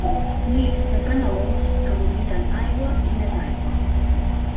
Nits de canalons que vomiten aigua i més aigua.